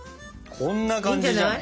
こんな感じじゃないかな？